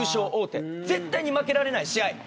絶対に負けられない試合。